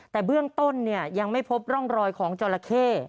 แต่เบื้องต้นยังไม่พบร่องรอยของจราเข้